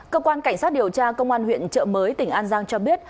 cơ quan cảnh sát điều tra công an huyện trợ mới tỉnh an giang cho biết